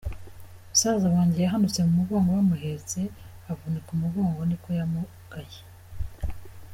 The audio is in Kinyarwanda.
Musaza wanjye yahanutse mu mugongo bamuhetse avunika umugongo, ni ko yamugaye.